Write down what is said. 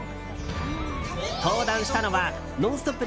登壇したのは「ノンストップ！」